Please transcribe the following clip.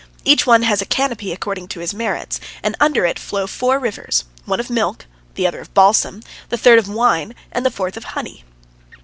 Each one has a canopy according to his merits, and under it flow four rivers, one of milk, the other of balsam, the third of wine, and the fourth of honey.